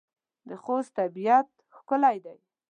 د خوست طبيعت ښکلی دی.